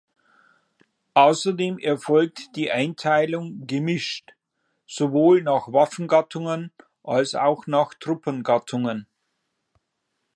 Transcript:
Außerdem erfolgt die Einteilung „gemischt“, sowohl nach Waffengattungen als auch nach Truppengattungen.